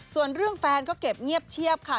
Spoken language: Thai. ส่วนเรื่องแฟนก็เก็บเงียบเชียบค่ะ